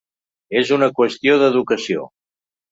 “És una qüestió d’educació”